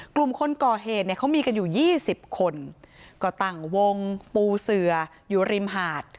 กลุ่มคนก่อเหตุเนี่ยเขามีกันอยู่๒๐คนก็ตั้งวงปูเสืออยู่ริมหาด